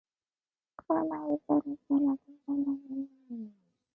Former Illinois state representative Diana Nelson won the Republican primary.